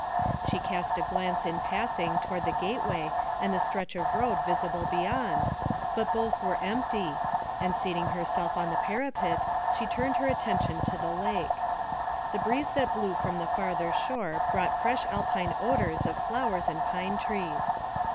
She cast a glance in passing toward the gateway and the stretch of road visible beyond, but both were empty, and seating herself on the parapet, she turned her attention to the lake. The breeze that blew from the farther shore brought fresh Alpine odours of flowers and pine trees.